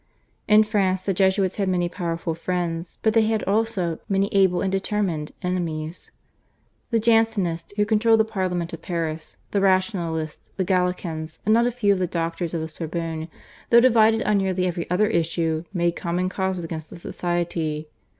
In France the Jesuits had many powerful friends, but they had also many able and determined enemies. The Jansenists who controlled the Parliament of Paris, the Rationalists, the Gallicans, and not a few of the doctors of the Sorbonne, though divided on nearly every other issue, made common cause against the Society.